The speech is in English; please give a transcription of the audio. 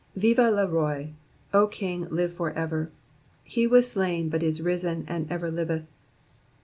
'''* Vive le Roi / O King ! live for ever ! He was slain, but is risen and ever liveth.